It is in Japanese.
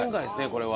これは。